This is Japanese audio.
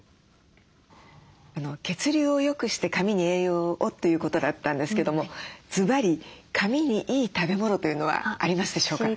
血流をよくして髪に栄養をということだったんですけどもずばり髪にいい食べ物というのはありますでしょうか？